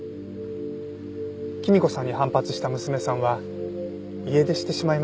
きみ子さんに反発した娘さんは家出してしまいました。